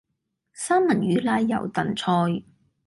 三文魚奶油燉菜